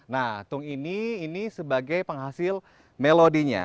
nah tung ini ini sebagai penghasil melodinya